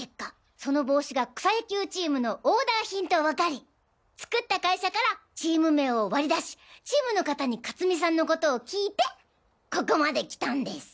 その帽子が草野球チームのオーダー品とわかり作った会社からチーム名を割り出しチームの方に勝見さんのことを聞いてここまで来たんです。